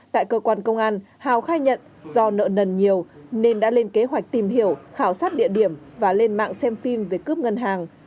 tại cơ quan công an hào khai nhận do nợ nần nhiều nên đã lên kế hoạch tìm hiểu khảo sát địa điểm và lên mạng xem phim về cướp ngân hàng